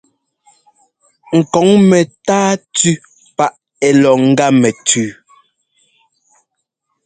Ŋ kɔŋ mɛntáa tʉ́ paʼ ɛ́ lɔ ŋ́gá mɛtʉʉ.